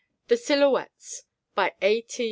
THE SILHOUETTES By A. T.